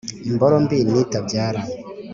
Imboro mbi ni itabyara.